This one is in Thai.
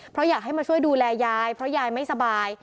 เพราะอยากให้มาช่วยดูแลยายเพราะยายไม่สบาย